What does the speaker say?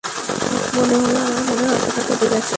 মনে হল আমার মনের অসুখটা কেটে গেছে।